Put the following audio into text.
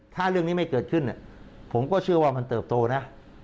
ถ้าเรื่องนี้ไม่เกิดขึ้นผมก็เชื่อว่ามันเติบโตนะ